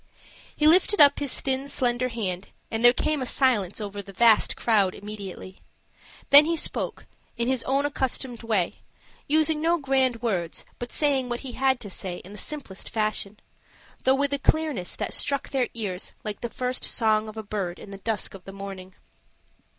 He lifted up his thin, slender hand, and there came a silence over the vast crowd immediately. Then he spoke, in his own accustomed way, using no grand words, but saying what he had to say in the simplest fashion, though with a clearness that struck their ears like the first song of a bird in the dusk of the morning.